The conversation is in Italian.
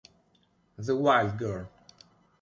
The Wild Girl